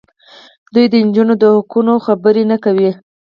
دوی د نجونو د حقونو خبرې نه کوي.